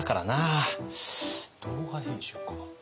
動画編集か。